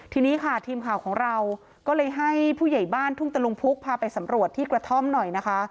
ทีนี้ค่ะทีมข่าวของเราก็เลยให้ผู้ใหญ่บ้านทุ่งตะลุงพุกพาไปสำรวจที่กระท่อมหน่อยนะคะ